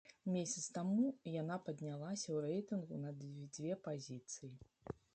Месяц таму яна паднялася ў рэйтынгу на дзве пазіцыі.